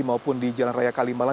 maupun di jalan raya kalimalang